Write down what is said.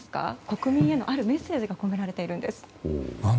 国民へのあるメッセージが込められているんです。